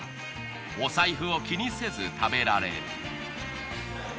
お財布を気にせず食べられる。